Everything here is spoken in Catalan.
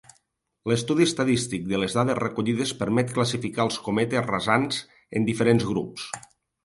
L'estudi estadístic de les dades recollides permet classificar els cometes rasants en diferents grups.